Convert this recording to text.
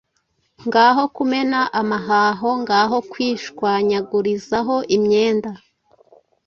ngaho kumena amahaho, ngaho kwishwanyagurizaho imyenda